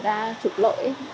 sau đó là